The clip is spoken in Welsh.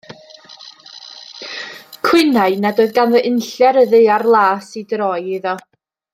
Cwynai nad oedd ganddo unlle ar y ddaear las i droi iddo.